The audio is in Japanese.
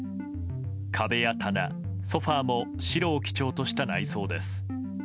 壁や棚、ソファも白を基調とした内装です。